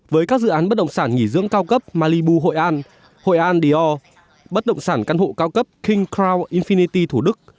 với các dự án bất động sản nghỉ dưỡng cao cấp malibu hội an hội an dor bất động sản căn hộ cao cấp king crow infinity thủ đức